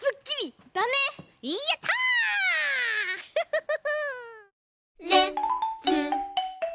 フフフフ！